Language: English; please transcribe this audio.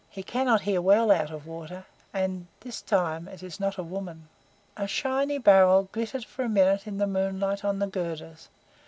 He cannot hear well out of water, and this time it is not a woman!" A shiny barrel glittered for a minute in the moonlight on the girders.